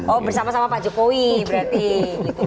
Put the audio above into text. oh bersama sama pak jokowi berarti gitu